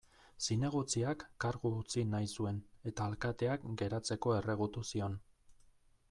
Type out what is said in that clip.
Zinegotziak kargu utzi nahi zuen eta alkateak geratzeko erregutu zion.